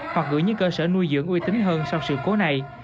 hoặc gửi những cơ sở nuôi dưỡng uy tín hơn sau sự cố này